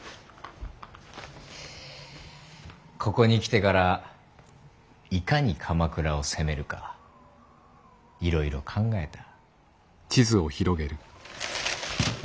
ここに来てからいかに鎌倉を攻めるかいろいろ考えた。